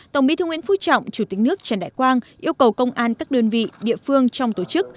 tổng bí thư nguyễn phú trọng chủ tịch nước trần đại quang yêu cầu công an các đơn vị địa phương trong tổ chức